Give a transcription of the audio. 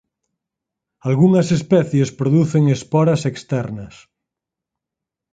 Algunhas especies producen esporas externas.